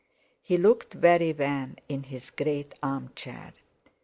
He looked very wan in his great armchair.